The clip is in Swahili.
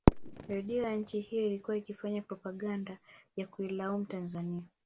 Redio ya nchi hiyo ilikuwa ikifanya propaganda ya kuilaumu Tanzania